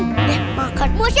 eh makan mocha